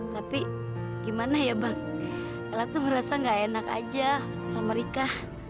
tapi gimana ya bang lat tuh ngerasa gak enak aja sama rika